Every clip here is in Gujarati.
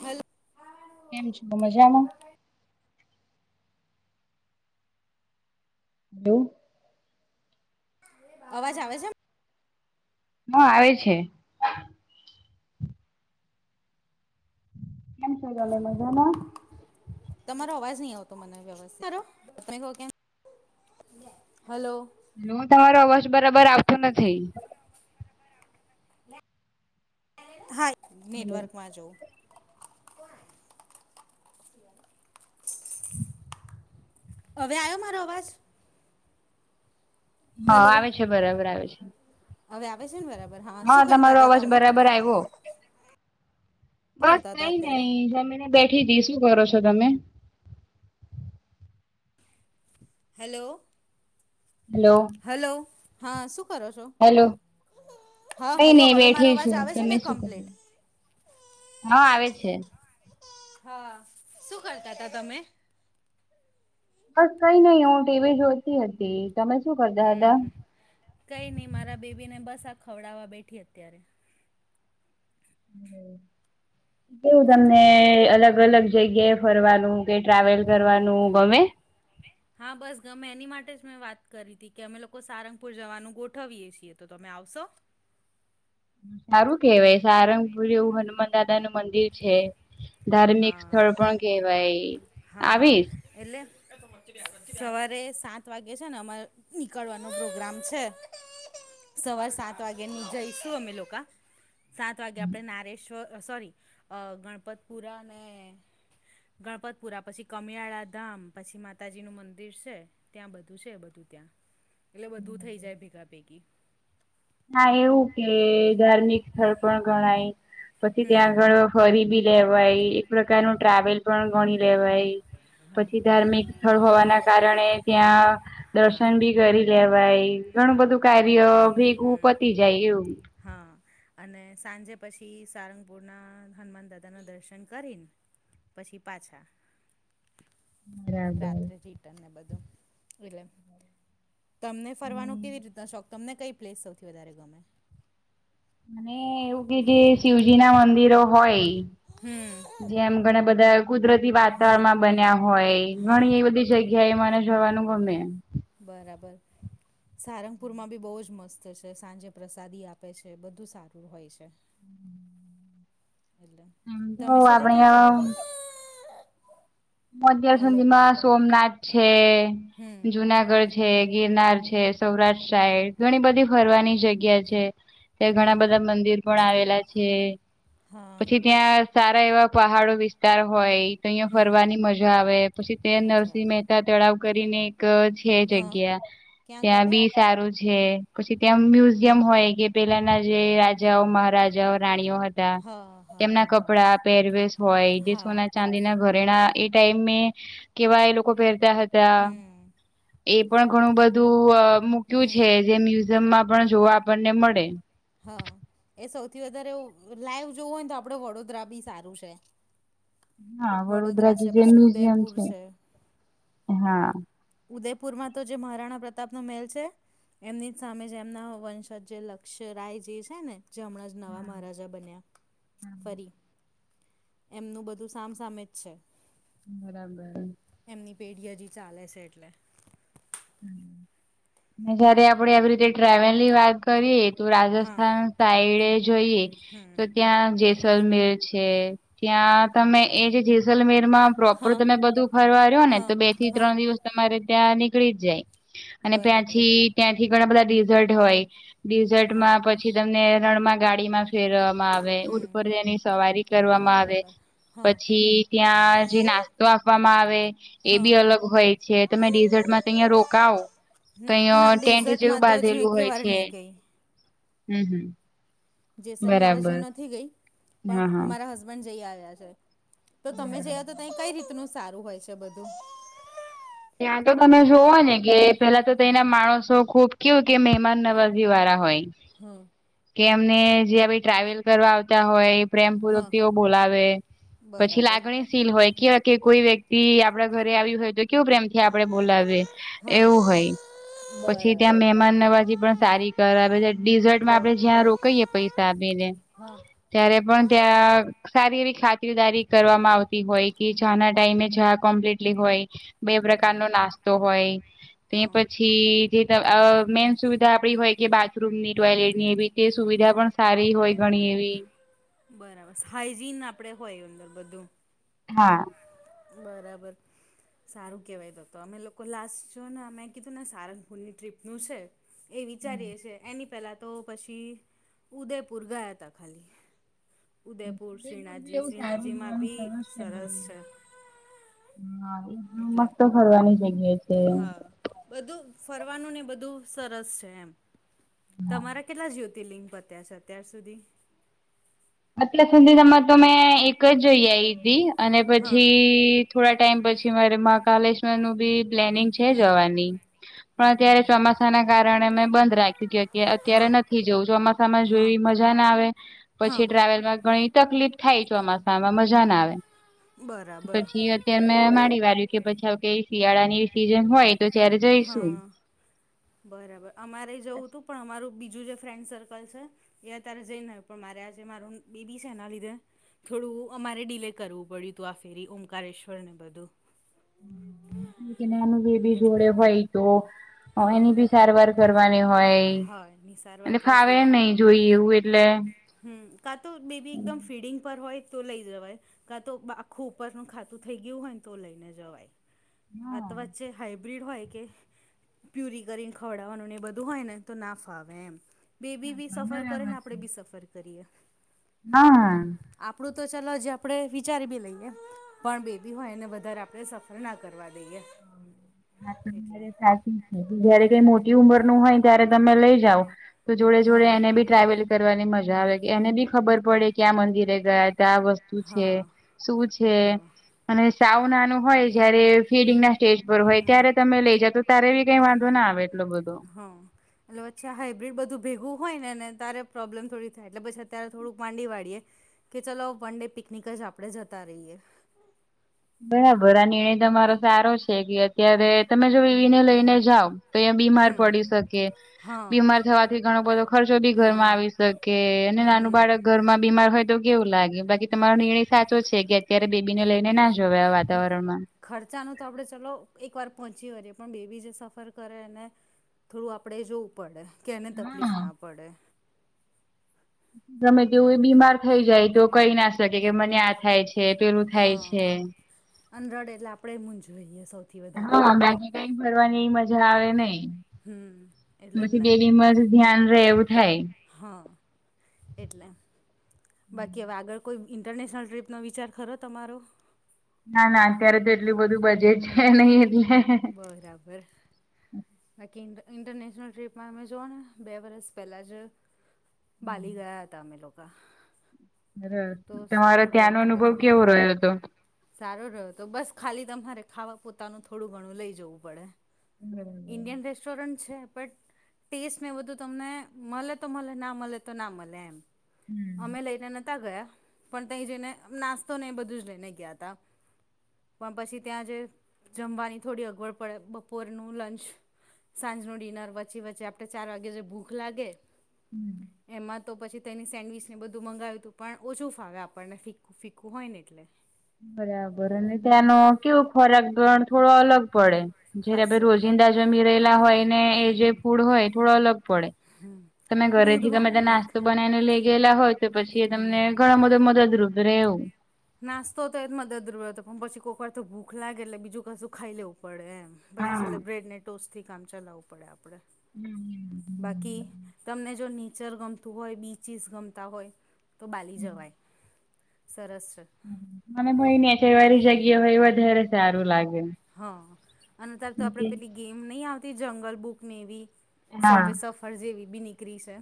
હલો કેમ છો મજામાં એવું અવાજ આવે છે હા આવે છે કેમ છે [unintelligible] મજા મા તમારો અવાજ નહી આવતો મને વ્યવસ્થતીતી તમે કહો કેમ હલો હું તમારો અવાજ બરાબર આવતો નથી હા નેટવર્કમાં જોવ [inaudible] હવે આયો મારો અવાજ હા હલો આવે છે બરાબર આવે છે. હવે આવે છે ને બરાબર હા શું કરતા હતા તમે થવો શું બસ કરતા હતા કઈ અત્યારે નઈ જમેીને બેઠી હતીી શું કરો છો તમે હલો હલો હેલો હા શું કરો છો હેલો હા કઈ હલો નઈ હવે મારો બેઠી અવાજ છું આવે છે ને તમે શું કરો? કમ્પ્લીટ હા આવે છે હા શું કરતા તા તમે બસ કઈ નહીિ હું એવી જોતી હતી. તમે શું કર હમ હમ કઈ નઈ મારા બેબી ને બસ આ ખવડાવવા બેઠી અત્યારે કેવું એટલે તમને અલગ અલગ જગ્યા ફરવાનું કે ટ્રાવેલ કરવાનું ગમે હા બસ ગમે એની માટે જ મેં વાત કરી હતી કે અમે લોકો સારંગપુર જવાનું ગોઠવીએ છીએ તો તમે આવશો સારું કેવાય સારંગપુર એવું હનુમાન દાદા નું મંદિર છે છે ધાર્મિક હા સ્થળ પણ કેવાય હા આવીશ એટલે સવારે સાત વાગે છે ને અમારે નીકળવાનો પ્રોગ્રામ છે સવાર સાત વાગ્યા ની જઈશું અમે લોકોકા. સાત વાગે આપણે નારેશ્વર સોરી ગણપતપુરા અને. ગણપતપુરા પછી કમિયાળા ધામ પછી માતાજી નું મંદિર છે. ત્યાં બધું છે બધું ત્યાં એટલે બધું થઈ જાય ભેગા ભેગી. ના એવું કે ધાર્મિક સ્થળ પણ ગણાય પછી ત્યાં હમ આગળ. ફરી બી લેવાય એક પ્રકાર ન ટ્રાવેલ પણ ગણી લેવાય પછી. ધાર્મિક સ્થળ હોવાના કારણે ત્યાં. હા દર્શન બી કરી લેવાય ઘણું બધું હા કાર્ય ભેગું પતી જાય એવું. હા. અને સાંજે પછી સારંગપુરના હનુમાન દાદાના દર્શન કરીને. પછી પાછા. બરાબર. રાત્રે રિટર્ન ને બધું એટલે. તમને ફરવાનો કેવી રીતના શોખ તમને કઈ પ્લેસ સૌથી વધારે ગમે. અને એવું કે જે શિવજી ના મંદિરો હોય. હમ. જેમ ઘણા બધા કુદરતી વાતાવરણમાં બન્યા હોય હા ઘણી એવી બધી. જગ્યા એ મને જવાનું ગમે. બરાબર. સારંગપુરમાં બી બહુ જ મસ્ત છે સાંજે પ્રસાદી આપે છે બધું સારું હોય છે. એટલે એમ તમે છેલ્લે આપણી ક્યાં આ. ફરવા ગયા અત્યાર હલો સુધીમાં સોમનાથ છે હમ જુનાગઢ. છે ગિરનાર છે સૌરાષ્ટ્ર સાઈડ ઘણી બધી ફરવાની જગ્યા છે. ત્યા ઘણા હા બધા મંદિર પણ આવેલા છે હા પછી. ત્યાં સારા એવા પહાડો વિસ્તાર હોય તો અહં હમ ફરવાની. મજા આવે પછી તે મજા નરસિંહ આવે. મહેતા તળાવ કરીને એક જ. છે હા જગ્યા ક્યાં ત્યાં ગાડે બી સારું જે પછી ત્યાં મ્યુઝિયમ હોય કે પેલાના જે રાજાઓ મહારાજાઓ રાણીઓ હતા હા હા તેમના હા હા કપડા પહેરવેશ હોય જે સોના હા ચાંદીના ઘરેણા એ. ટાઈમ કેવા એ લોકો પહેરતા હતા. હમ એ પણ ઘણું બધું મૂક્યું છે જે. મમાં પણ જોવા આપણને મળે. હા એ સૌથી વધારે લાઈવ જોવું હોય ને તો આપડ વડોદરા બી સારું છે. હા વડોદરા જે છે જે પછી મ્યુઝિયમ ઉદયપુર છે. હા ઉદયપુરમાં તો જે મહારાણા પ્રતાપનો મેલ છે એમની સામે જ એમના વંશજ જે લક્ષ રાય જે છે ને જે હમણાં જ નવા મહારાજા બન્યા ફરી- એમનું બધું સામસામે જ છે. બરાબર. એમની પેઢી હજી ચાલે છે એટલે જયારે આપડે આવી રીતે ટ્રાવેલ ની વાત કરીએ તો હા રાજસ્થાન સાઈડ જોઈએ તો ત્યાં સલમેર છે ત્યાં તમે એ જે જેસલમેરમાં પ્રોપર હા તમે બધું ફરવા રહ્યો ને હા તો બે થી હા ત્રણ દિવસ તમારે ત્યાં નીકળી જ જાય અને બરાબર ત્યાંથી ત્યાંથી ઘણા બધા ડિશર્ટ હોય હા ડીઝર્ટમાં પછી તમને એ રણ માં ગાડીમાં જ ફેરવામાં આવે ઉંટ હમ પર તેની સવારી કરવામાં આવે. બરાબર હા પછી ત્યાં જે નાસ્તો આપવામાં આવે એ હા બી અલગ હોય છે તમે ડિઝર્ટમાં અહયા રોકાવો તો ના અહં ટેન્ટ જેવું ડેઝર્ટમાં તો હજુ બાંધેલું એકે હોય વાર છે. નહીં ગઈ હમ હમ. જેસલમેર હજુ બરાબર નથી ગઈ હા પણ હા મારા હસબન્ડ જઈ આવ્યા છે. તો તમે જયા તો ત્યાં કઈ રીતનું સારું હોય છે બધું? ત્યાં તો તમે જોવો ને કે પેલા તો તેના માણસો ખુબ કેવું કે મહેમાન નવાજી વાળા હોય. હા કે અમને જે ટ્રાવેલ કરવા આવ હોય એ પ્રેમપૂર્વક હા તેઓ બોલાવે પછી બરાબર લાગણી ચીલ હોય કે કે કોઈ વ્યક્તિ આપડા ઘરે આવી હોય તો કેવું પ્રેમથી આપડે બોલાવીએ. હા એવું હોય પછી ત્યાં બરાબર મહેમાન નવાજી પણ સારી કરાવે ડીઝર્ટમાં બર આપડે જ્યાં રોકાઈએ પૈસા આપીને હા ત્યારે પણ ત્યાં સારી એવી ખાતરદારી કરવામાં આવતી હોય કે જાા ના ટાઈમે ચા કોમ્પ્લીટલી હોય. બે પ્રકાર નો બરાબર નાસ્તો હોય. તે હા પછી જે મેન સુવિધા આપડી હોય કે બાથરૂમની ટોયલેટ ની એવી તે સુવિધા હા પણ સારી હોય ઘણી એવી બરાબર હાઈજીન આપડે હોય અંદર બધું હા બરાબર સારું કહેવાય તો તો અમે લોકો લાસ્ટ જો ને મેં કીધું ને સારંગપુરની ટ્રીપનું છે. એ વિચારીએે છે એની પેલા તો પછી ઉદયપુર ગયા તા ખાલી ઉદયપુર શિનાથજી એવું સારું શિનાથજીમાં જોવાનું બી છે સરસ છે. બધું હા એટલે મસ્ત ફરવાની જગ્યા છે. હા બધું ફરવાનું ને બધું સરસ છે એમ તમારા કેટલા જુતિ તિલિંગ પત્યા છે અત્યાર સુધી? અતલે સુધીનામાં તો મેં એક જ જોઈ આઈ તી અને હા પછી થોડા ટાઈમ પછી મારે મહાકાલેશ્વર નું બી પ્લેનિંગ છે. છે હમ જવાની પણ અત્યારે બરાબર ચોમાસું ચોસા ના કારણે મેં બંધ રાખ્યું કે અત્યારે હા નથી જવું ચોમાસામાં હા જોવી મજા ના આવે. હા પછી ટ્રાવેલમાં ઘણી તકલીફ થાય ચોમાસામાં મજા ના આવે તો બરાબર પછી. અ મેં માડી વાર્યું કે પછી કે શિયાળા ની સીઝન હોય. તો ત્યારે જઈશું હા બરાબર અમારે જવું તું પણ અમારું બીજું જે ફ્રેન્ડ સર્કલ છે. એ અત્યારે જઈને આવ્યો પણ મારે આજે મારું બેબી છે એના લીધે થોડું અમારે ડીલે કરવું પડ્યું હતું આ ફેરી ઓંકારેશ્વર ને બધું કે નાનું બેબી એટલે જોડે હોય તો એની બી હા સારવાર કરવારની હોય હા એની સારવાર એટ ખાસી ફાવે રહે નહ જોઈ એવું એટલે. હમ કા તો બેબી એકદમ ફીડિંગ પર હોય તો લઇ જવાય. કાં તો આખું ઉપરનું ખાતું થઈ ગયું હોય ને તો લઈને જવાય. હા આથ વચ્ચે હાઈબ્રિડ હોય કે પ્યુરી કરીને ખવડાવવાનુંને બધું. હોય ને તો ના ફાવે એમ બે બી બી સફર કરેને બરાબર આપણેે છે બી સફર કરીએ. હા. આપડું તો ચાલ જે આપડે વિચારી બી લઈએ. પણ બેબી હોય એને વધારે આપડણે સફર ના કરવા દઈએ. [inaudible] હ તો એટલે સાચી છે જયારે કઈ મોટી ઉંમર નું હોય ત્યારે તમે લઈ જાવ. જોડે જોડે હા એને બી ટ્રાવેલ કરવાની મજા આવે કે એને બી ખબર પડે કે આ મંદિરે ગયા ત્યા આ વસ્તુ. શું છે હા શું છે. હા અને સાઉન નાનું હોય જયારે ફીડિંગ ના સ્ટેજ પર હોય. ત્યારે તમે લઈ જા તો ત્યારે બી કઈ વાંધો ના આવે એટલો બધો. હા. એટલેચ્છા હાઈબ્રિડ બધું ભેગું હોય ને ને ત્યારે પ્રોબ્લેમ થોડી થાય એટલે પછી અત્યારે થોડુંક માંડી વાળડીએ. કે ચલો વન ડે પિકનિક જ આપણે જતા રહીએ. બરાબર આ નિર્ણય તમારો સારો છે કે અત્યારે તમે જો એવીને લઈને જાવ. તો એં બીમાર હમ પડી શકીએ. હા બીમાર થવાથી ઘણો બધો ખર્ચો બી ઘરમાં હા આવી શકે અને નાનું બાળક ઘરમાં બીમાર હોય. તો કેવું લાગ્યું બાકી તમારો નિર્ણય સાચો છે કે અત્યારે બેબીને લઈને ના જોવે આ વાતાવરણ માં. ખર્ચાનું તો આપણે ચલો એક વાર પહોંચી વળીએ પણ બે બી જે સફર કરે એને. થોડું આપડે જોવું પડે કે એને તકલીફ હા. ના પડે. ગમે તેવું એ બીમાર થઈ જાય તો કઈ ના શકે કે મને આ થાય છે પેલું થાય છે. અંધડ એટલે આપણેે મૂ જોઈએ સૌ હા બાકી કઈક ભરવાની એ મજા આવે નઈ. હમ એટલે જ પછી ને બેલી મ જ ધ્યાન ર એવું થાય. હા એટલે. બાકી હવે આગળ કોઈ ઇન્ટરનેશનલ ટ્રીપનો વિચાર ખરો તમારો. ના ના અત્યારે તો એટલું બધું બજે છે નહી એટલે બરાબર. બાકી ઇન્ટરનેશનલ ટ્રીપમાં અમે જોઓ ને બે વરસ પહેલાં જ બાલી ગયા હતા અમે લોકો. સરશ તો તમારો સારું ત્યાંનો અનુભવ કેવો રહ્યો હતો. સારો રહ્યો તો બસ ખાલી તમારે ખાવા પોતાનું થોડું ઘણું લઇ જવું પડે. બરાબર. ઈન્ડિયન રેશ. રેસ્ટોરન્ટ છે બટ ટેસ્ટ મેં બધું તમને મળે તો મળે ના મળે તો ના મળે એમ હમ્મ. અમે લઈને નહતા ગયા પણ ત જઈને નાસ્તો નને એ બધું જ લઈને ગયા તા. પણ પછી ત્યાં જે જમવાની થોડી અગવડ પડે બપોરનું લંચ, સાંજ નું ડિનર વચ્ચે વચ્ચે આપણે ચાર વાગે જે ભૂખ લાગે એમાં તો પછી તેની સેન્ડવીચ ને બધું મંગાવ્યું હતું પણ ઓછું ફાવે આપણને ફીું ફીકું હોય ને એટલે. બરાબર અને ત્યાંનો કેવો ખોરાક ગણ થોડો અલગ પડે. જયારે ખાસું અલગ રોજિંદા જમી રહેલા હોય ને એ જે ફૂડ હોય થોડો અલગ પડે. હમ્મ. તમે ઘરેથી તમે નાસ્તો. બનાવીને લઈ ગયેલા હોય તો પછી એ તમને ઘણો બધો મદદરૂપ રહેવું. નાસ્તો તો એ જ મદદર હતો પણ પછી કોઈક વાર તો ભૂખ લાગે એટલે બીજું કશું ખાઈ લેવું પડે એમ પછી છેલ્ બ્રેડ ને ટોસ થી કામ ચલાવવું પડે આપડે બાકી તમને જો નેચર ગમતું હોય બીચિસ ગમતા હોય તો બાલી જવાય. સરસ છે. મને મહયને છે વારી જગ્યા હોય એ વધારે સારું લાગે. હા અને ત્યારે તો આપડે પેલી ગેમ નહી આવતી જંગલ બુક એવી હા સવે સફર. ફળ જેેવી બી નીકળી છે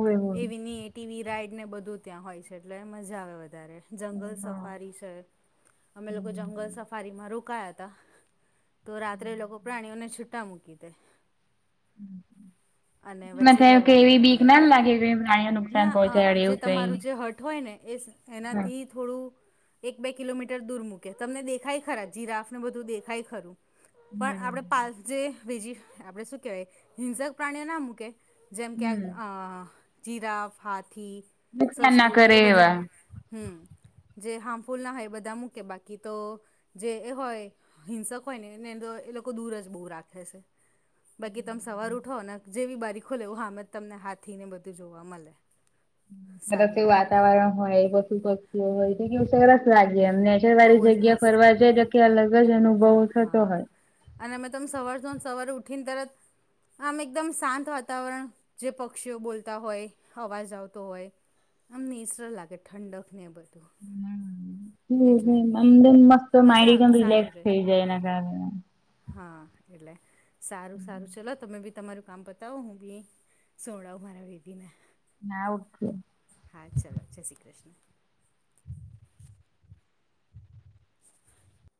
હોય એ હોય વિની ટીવી રાઈડ ને બધું ત્યાં હોય છે એટલે મજા આવે વધારે. જંગલ સફારી છે અમે લોકો જંગલ સફારી માં રોકાયા તો રાત્રે લોકો પ્રાણીઓને છૂટા મૂકી દે. હમ્મ. અને વચ્ચે રહેવાનું હોય એટલે કે પ્રાણીઓ નુકસાન ના પહોંચાડે જે એવું તમારું કઈ જે હટ હોય ને એ હા એનાથી થોડું એક બે કિલોમીટર દૂર મૂકે તમને દેખાય ખરા જીરા ફ આપને બધું દેખાય ખરું પણ બરાબર આપડ પા જે બીજી આપણે શું કહેવાય હિંસક પ્રાણીઓ ના મૂકે જેમ કે હમ અ જીરાફ હાથી નુકસાન ના સસલું કરે એ બધા એવા હમ્મ જે હાર્મફુલ ના હોય એ બધા મૂકે બાકી તો જે એ હોય હિંસક હોય ને એને તો એ લોકો દૂર જ બહુ રાખે છે. બાકી તમે સવાર ઉઠો અને જેવી બારી ખોલે એવું હામે જ તમને હાથથી ને બધું જોવા મળે. સરસ એવું વાતાવરણ હોય પશુ પક્ષી હોય તો કેવું સરસ લાગે એમને વાળી બહુ જ જગ્યા મસ્ત ફરવા જાય તો કે અલગ જ અનુભવ થતો હા હોય. અને અમે તમે સવાર જ સવારે ઉઠીને તરત આમ એકદમ શાંત વાતાવરણ જે પક્ષીઓ બોલતા હોય અવાજ આવતો હોય આમ નેચરલ લાગે ઠંડક ને એ બધું. હમ્મ એટલે હમ્મ મસ્ત મજા આવે માઇન્ડ સારું રિલક્સ રે થઈ જાય એના કારણે. હા એટલે સારું સારું ચલો તમે બી તમારું કામ બતાવો હું બી સોડાવું મારા વેધને. ના ઓ હા ચાલો જય શ્રી કૃષ્ણ. [inaudible]